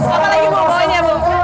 apa lagi bu bawanya bu